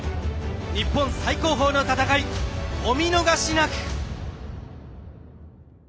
日本最高峰の戦い、お見逃しなく。